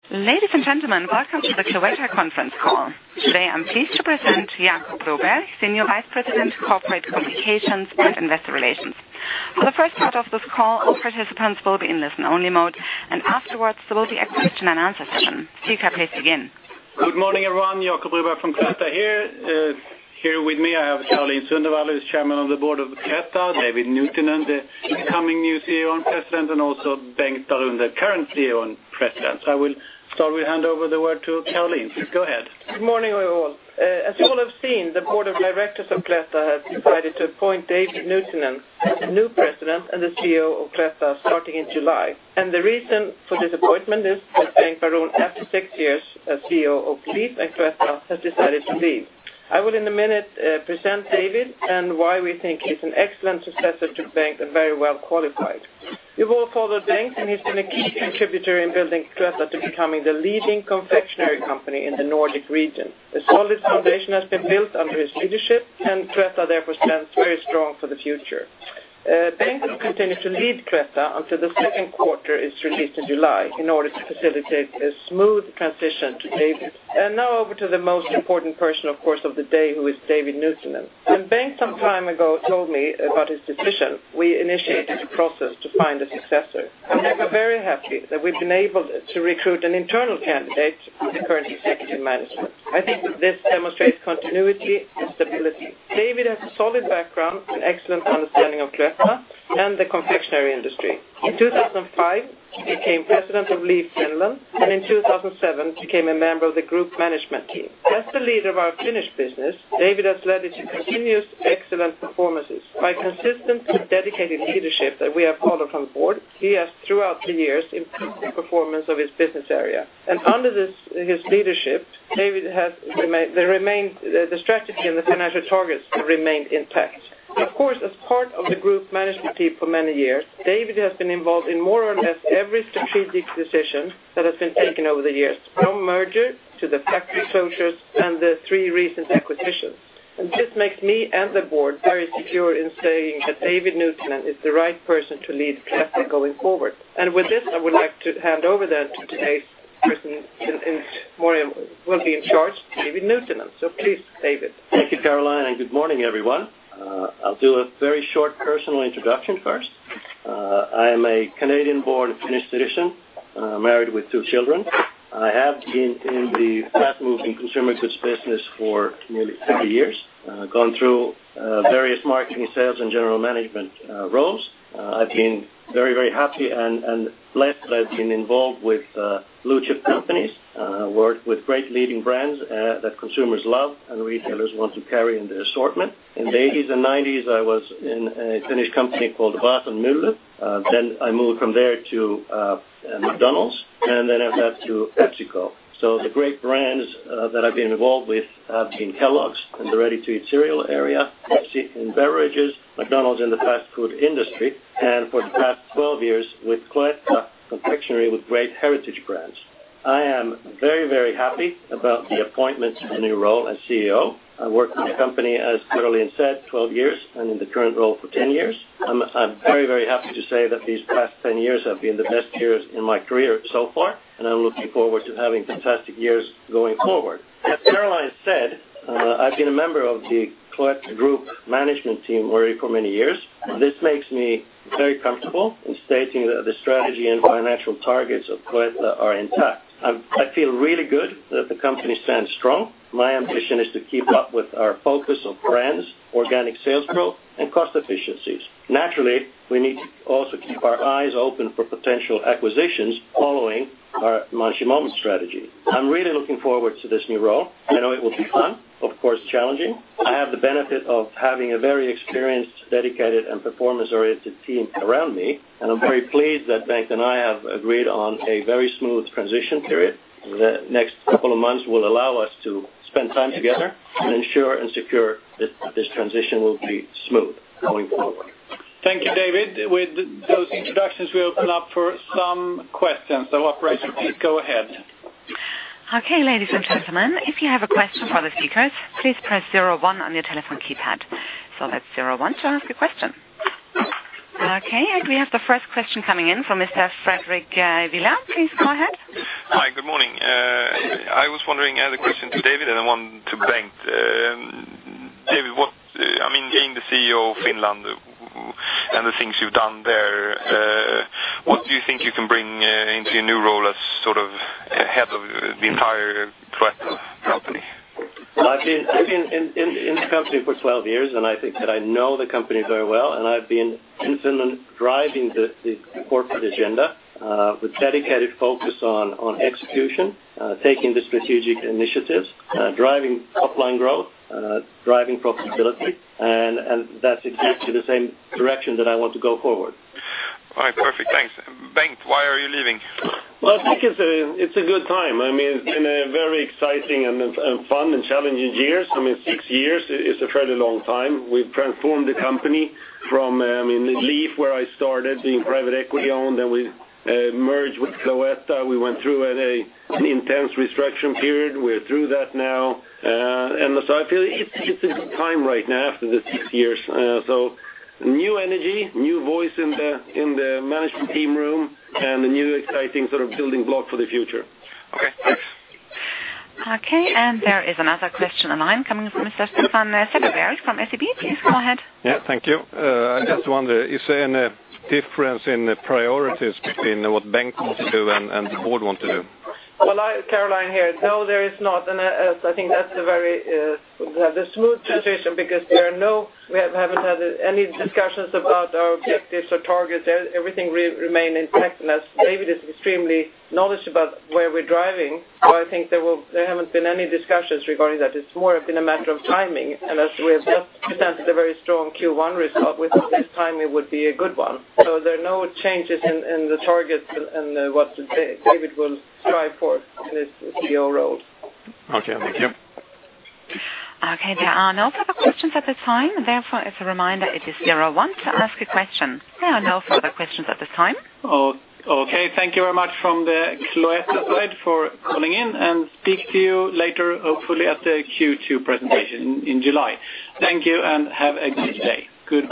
Ladies and gentlemen, welcome to the Cloetta Conference call. Today I'm pleased to present Jacob Broberg, Senior Vice President, Corporate Communications and Investor Relations. For the first part of this call, all participants will be in listen-only mode, and afterwards there will be a question-and-answer session. Speaker, please begin. Good morning, everyone. Jacob Broberg from Cloetta here with me. I have Caroline Sundewall, who's the Chairman of the Board of Cloetta. David Nuutinen, the incoming new CEO and President, and also Bengt Baron, current CEO and President. I will start with handing over the word to Caroline. Please go ahead. Good morning, everyone. As you all have seen, the board of directors of Cloetta has decided to appoint David Nuutinen, new President and CEO of Cloetta, starting in July. The reason for this appointment is that Bengt Baron, after six years as CEO of Leaf and Cloetta, has decided to leave. I will, in a minute, present David and why we think he's an excellent successor to Bengt and very well qualified. You've all followed Bengt, and he's been a key contributor in building Cloetta to becoming the leading confectionery company in the Nordic region. A solid foundation has been built under his leadership, and Cloetta therefore stands very strong for the future. Bengt will continue to lead Cloetta until the second quarter is released in July in order to facilitate a smooth transition to David. Now over to the most important person, of course, of the day, who is David Nuutinen. When Bengt some time ago told me about his decision, we initiated a process to find a successor. I'm therefore very happy that we've been able to recruit an internal candidate from the current executive management. I think that this demonstrates continuity and stability. David has a solid background, an excellent understanding of Cloetta, and the confectionery industry. In 2005, he became president of Leaf Finland, and in 2007 became a member of the group management team. As the leader of our Finnish business, David has led it to continuous, excellent performances. By consistent and dedicated leadership that we have followed from the board, he has throughout the years improved the performance of his business area. Under his leadership, David has remained the strategy and the financial targets have remained intact. Of course, as part of the group management team for many years, David has been involved in more or less every strategic decision that has been taken over the years, from merger to the factory closures and the three recent acquisitions. And this makes me and the board very secure in saying that David Nuutinen is the right person to lead Cloetta going forward. And with this, I would like to hand over then to today's person in charge, David Nuutinen. So please, David. Thank you, Caroline, and good morning, everyone. I'll do a very short personal introduction first. I am a Canadian-born Finnish citizen, married with two children. I have been in the fast-moving consumer goods business for nearly 50 years, gone through various marketing, sales, and general management roles. I've been very, very happy and blessed that I've been involved with blue-chip companies, worked with great leading brands that consumers love and retailers want to carry in their assortment. In the 1980s and 1990s, I was in a Finnish company called Vaasan Mylly. I moved from there to McDonald's, and then I've left to PepsiCo. The great brands that I've been involved with have been Kellogg's in the ready-to-eat cereal area, Pepsi in beverages, McDonald's in the fast-food industry, and for the past 12 years with Cloetta, confectionery with great heritage brands. I am very, very happy about the appointment to the new role as CEO. I've worked with the company, as Caroline said, 12 years, and in the current role for 10 years. I'm very, very happy to say that these past 10 years have been the best years in my career so far, and I'm looking forward to having fantastic years going forward. As Caroline said, I've been a member of the Cloetta Group Management Team already for many years. This makes me very comfortable in stating that the strategy and financial targets of Cloetta are intact. I feel really good that the company stands strong. My ambition is to keep up with our focus of brands, organic sales growth, and cost efficiencies. Naturally, we need to also keep our eyes open for potential acquisitions following our Munchy Moments strategy. I'm really looking forward to this new role. I know it will be fun, of course challenging. I have the benefit of having a very experienced, dedicated, and performance-oriented team around me, and I'm very pleased that Bengt and I have agreed on a very smooth transition period. The next couple of months will allow us to spend time together and ensure and secure that this transition will be smooth going forward. Thank you, David. With those introductions, we open up for some questions. Operations team, go ahead. Okay, ladies and gentlemen. If you have a question for the speakers, please press 01 on your telephone keypad. So that's 01 to ask a question. Okay, we have the first question coming in from Mr. Fredrik Villard. Please go ahead. Hi, good morning. I was wondering, the question to David and I one to Bengt. David, I mean, being the CEO of Finland and the things you've done there, what do you think you can bring into your new role as sort of head of the entire Cloetta company? Well, I've been in the company for 12 years, and I think that I know the company very well. And I've been in Finland driving the corporate agenda, with dedicated focus on execution, taking the strategic initiatives, driving top-line growth, driving profitability. And that's exactly the same direction that I want to go forward. All right, perfect. Thanks. Bengt, why are you leaving? Well, I think it's a good time. I mean, it's been a very exciting and fun and challenging year. I mean, six years is a fairly long time. We've transformed the company from, I mean, Leaf where I started being private equity owned. Then we merged with Cloetta. We went through an intense restructuring period. We're through that now, and so I feel it's a good time right now after the six years. So new energy, new voice in the management team room, and a new exciting sort of building block for the future. Okay, thanks. Okay, and there is another question online coming from Mr. Stefan Cederberg from SEB. Please go ahead. Yeah, thank you. I just wonder, is there a difference in priorities between what Bengt wants to do and the board wants to do? Well, it's Caroline here. No, there is not. And I think that's a very smooth transition because we haven't had any discussions about our objectives or targets. Everything remains intact. And as David is extremely knowledgeable about where we're driving, so I think there haven't been any discussions regarding that. It's been more a matter of timing. And as we have just presented a very strong Q1 result, we think this timing would be a good one. So there are no changes in the targets and what David will strive for in his CEO role. Okay, thank you. Okay, there are no further questions at this time. Therefore, as a reminder, it is zero one to ask a question. There are no further questions at this time. Okay, thank you very much from the Cloetta side for calling in, and speak to you later, hopefully at the Q2 presentation in July. Thank you, and have a good day. Good.